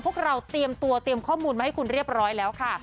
พวกเราเตรียมคนข้อมูลมาได้เรียบร้อยแล้วค่ะ